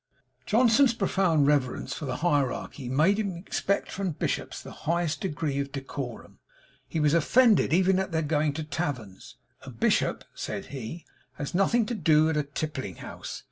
Johnson's profound reverence for the Hierarchy made him expect from bishops the highest degree of decorum; he was offended even at their going to taverns; 'A bishop (said he) has nothing to do at a tippling house.